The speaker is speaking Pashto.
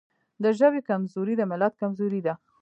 د ژبې کمزوري د ملت کمزوري ده.